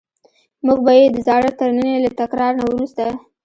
موږ به یې د زاړه ترننی له تکرار نه وروسته.